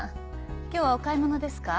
今日はお買い物ですか？